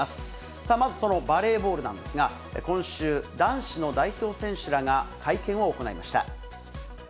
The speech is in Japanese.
さあ、まずそのバレーボールなんですが、今週、男子の代表選手らが会見を行いました。